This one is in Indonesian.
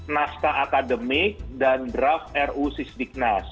naskah akademik dan draft ru sisdiknas